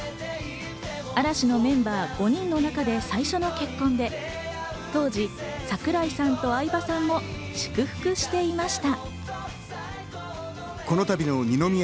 嵐のメンバー５人の中で最初の結婚で、当時、櫻井さんと相葉さんも祝福していました。